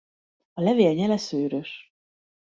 A levél nyele szőrös.